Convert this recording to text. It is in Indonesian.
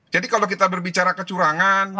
jadi kalau kita berbicara kecurangan